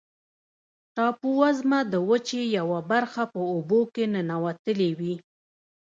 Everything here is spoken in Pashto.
ټاپووزمه د وچې یوه برخه په اوبو کې ننوتلې وي.